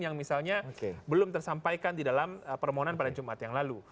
yang misalnya belum tersampaikan di dalam permohonan pada jumat yang lalu